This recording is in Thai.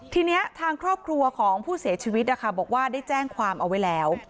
ทีนี้ทางครอบครัวของผู้เสียชีวิตนะคะบอกว่าได้แจ้งความเอาไว้แล้ว